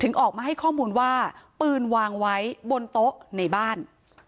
ออกมาให้ข้อมูลว่าปืนวางไว้บนโต๊ะในบ้าน